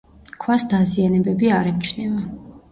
ქვას დაზიანებები არ ემჩნევა.